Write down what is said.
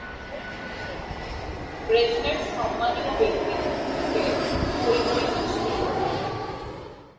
Brezhnev সম্মানীয় ব্যক্তিত্ব হিসেবে পরিগণিত ছিলেন।